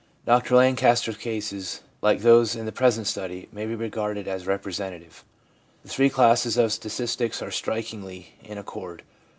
Dr Lancaster's cases, like those in the present study, may be regarded as representative. The three classes of statistics are strikingly in accord.